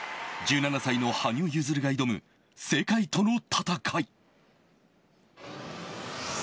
１７歳の羽生結弦が挑む世界との戦い。